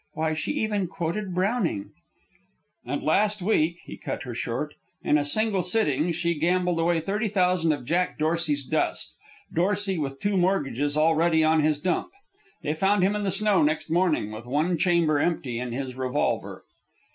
Why, she even quoted Browning " "And last week," he cut her short, "in a single sitting, she gambled away thirty thousand of Jack Dorsey's dust, Dorsey, with two mortgages already on his dump! They found him in the snow next morning, with one chamber empty in his revolver."